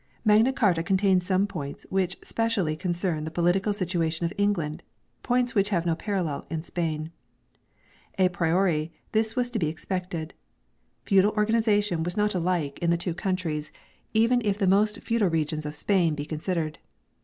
Magna Carta contains some points which specially concern the political situation of England, points which have no parallel in Spain. A priori this was to be ex pected. Feudal organization was not alike in the two 230 MAGNA CARTA AND countries, even if the most feudal regions of Spain be considered.